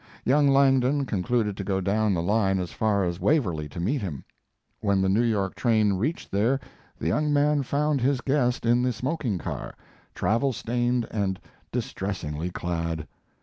Young Langdon concluded to go down the line as far as Waverly to meet him. When the New York train reached there the young man found his guest in the smoking car, travel stained and distressingly clad.